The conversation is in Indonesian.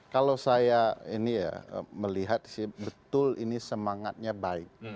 kalau saya melihat betul ini semangatnya baik